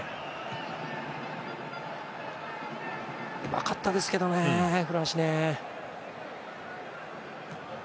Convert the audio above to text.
うまかったですけどね、古橋ね。